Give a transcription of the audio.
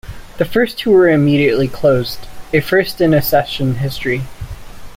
The first two were immediately closed, a first in accession history.